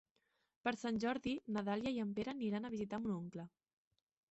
Per Sant Jordi na Dàlia i en Pere aniran a visitar mon oncle.